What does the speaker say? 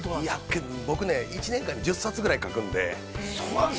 ◆けど、僕ね、１年間に１０冊ぐらい書くんで。